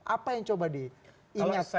apa yang coba diingatkan